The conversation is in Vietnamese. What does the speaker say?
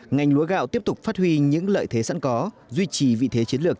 ngành lúa gạo tiếp tục phát huy những lợi thế sẵn có duy trì vị thế chiến lược